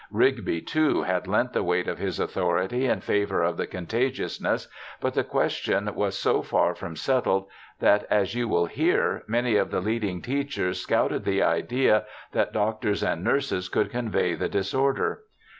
Rigby, too, had lent the weight of his authority in favour of the contagiousness, but the question was so far from settled that, as you will hear, many of the leading teachers scouted the idea that doctors and nurses could convey the disorder.